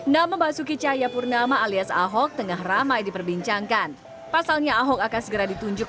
nama basuki cahayapurnama alias ahok tengah ramai diperbincangkan pasalnya ahok akan segera ditunjuk